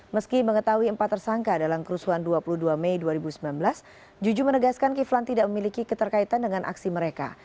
meski mengetahui empat tersangka dalam kerusuhan dua puluh dua mei dua ribu sembilan belas juju menegaskan kiflan tidak memiliki keterkaitan dengan aksi mereka